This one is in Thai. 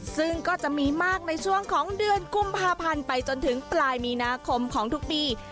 ซึ่งก็จะมีมากในช่วงของเดือนกุมภาพันธ์ไปจนถึงปลายมีนาคมของทุกปี